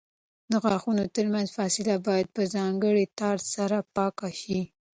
د غاښونو ترمنځ فاصله باید په ځانګړي تار سره پاکه شي.